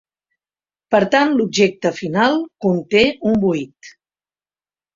Per tant, l'objecte final conté un buit.